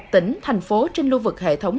một mươi một tỉnh thành phố trên lưu vực hệ thống